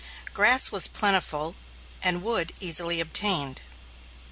" Grass was plentiful and wood easily obtained.